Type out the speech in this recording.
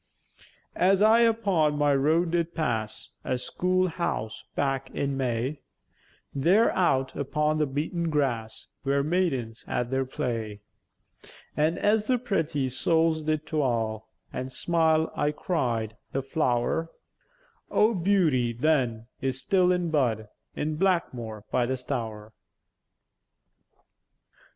As I upon my road did pass A school house back in May, There out upon the beäten grass Wer maïdens at their play; An' as the pretty souls did tweil An' smile, I cried, "The flow'r O' beauty, then, is still in bud In Blackmwore by the Stour."